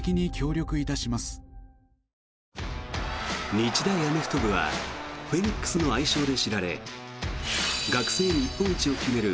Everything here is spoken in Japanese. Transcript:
日大アメフト部はフェニックスの愛称で知られ学生日本一を決める